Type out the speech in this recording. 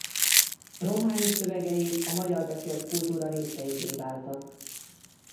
Romhányi szövegei a magyar beszélt kultúra részeivé váltak.